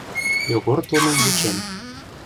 Йогор толмым вучем.